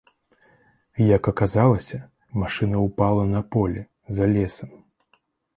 Як аказалася, машына ўпала на поле, за лесам.